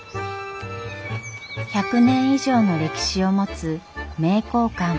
１００年以上の歴史を持つ名教館。